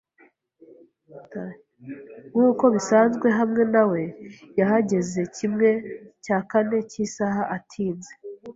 Nkuko bisanzwe hamwe na we, yahageze kimwe cya kane cy'isaha atinze.